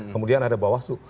kemudian ada bawah su